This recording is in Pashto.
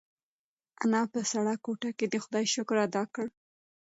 انا په سړه کوټه کې د خدای شکر ادا کړ.